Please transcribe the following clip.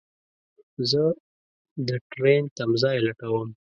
زه دټرين تم ځای لټوم